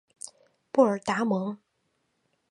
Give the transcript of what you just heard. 布尔达蒙。